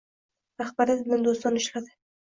Rahbariyat bilan do‘stona ishladi.